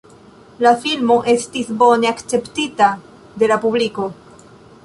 La filmo estis bone akceptita de la publiko.